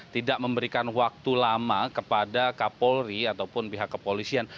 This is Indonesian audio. tidak memberikan waktu lama kepada kapolri ataupun pihak kepolisian